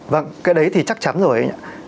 vâng cái đấy thì chắc chắn rồi